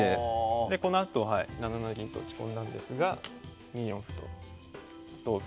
でこのあと７七銀と打ち込んだんですが２四歩と同歩